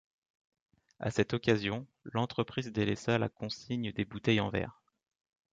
À cette occasion, l'entreprise délaissa la consigne des bouteilles en verre.